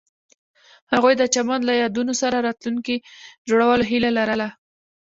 هغوی د چمن له یادونو سره راتلونکی جوړولو هیله لرله.